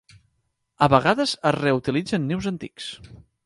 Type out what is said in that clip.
A vegades es reutilitzen nius antics.